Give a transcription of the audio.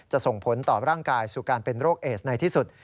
ส่งผลต่อร่างกายสู่การเป็นโรคเอสในที่สุด